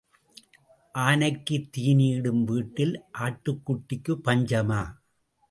ஆனைக்குத் தீனி இடும் வீட்டில் ஆட்டுக்குட்டிக்குப் பஞ்சமா?